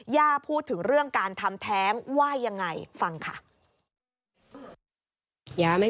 ย่าพูดถึงเรื่องการทำแท้งว่ายังไงฟังค่ะ